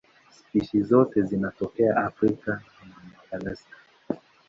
Spishi zote zinatokea Afrika na Madagaska.